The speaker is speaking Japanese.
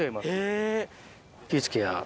気ぃ付けや。